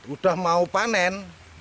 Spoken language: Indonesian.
udah mau panen